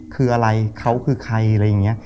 คืออะไรเขาคือใครอะไรอย่างนี้